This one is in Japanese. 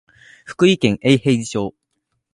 福井県永平寺町